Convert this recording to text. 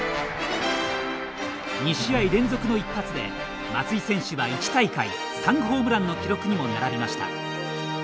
２試合連続の１発で、松井選手は１大会３ホームランの記録にも並びました。